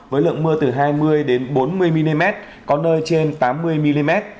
với lượng mưa từ hai mươi bốn mươi mm có nơi trên tám mươi mm